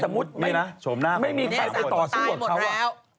ถ้าสมมุติไม่มีใครต่อสู้ของเขาตายหมดแล้ว